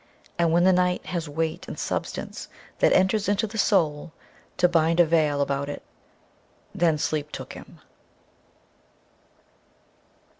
and when the night has weight and substance that enters into the soul to bind a veil about it.... Then sleep took him....